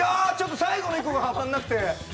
最後の１個がはまらなくて。